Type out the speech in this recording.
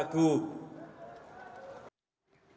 tidak usah ragu ragu